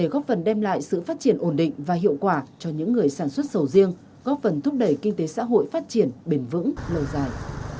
góp phần đem lại sự phát triển ổn định và hiệu quả cho những người sản xuất sầu riêng góp phần thúc đẩy kinh tế xã hội phát triển bền vững lâu dài